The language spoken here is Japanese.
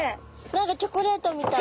何かチョコレートみたい。